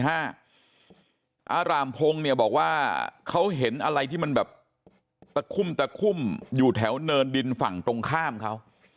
อารามพงศ์เนี่ยบอกว่าเขาเห็นอะไรที่มันแบบตะคุ่มตะคุ่มอยู่แถวเนินดินฝั่งตรงข้ามเขา